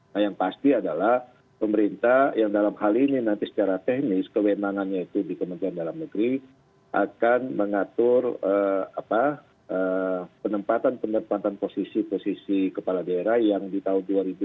nah yang pasti adalah pemerintah yang dalam hal ini nanti secara teknis kewenangannya itu di kementerian dalam negeri akan mengatur penempatan penempatan posisi posisi kepala daerah yang di tahun dua ribu dua puluh empat